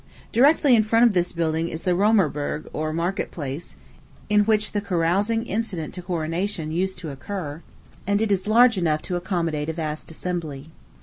Directly in front of this building is the Römerberg, or Market place, in which the carousing incident to coronation used to occur; and it is large enough to accommodate a vast assembly.